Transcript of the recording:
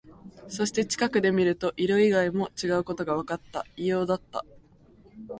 そして、近くで見ると、色以外も違うことがわかった。異様だった。